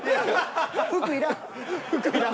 「服いらん」。